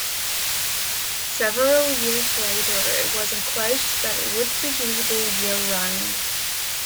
Several years later it was enclosed so that it would be usable year round.